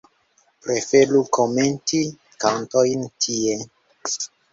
Preferu komenti kantojn tie.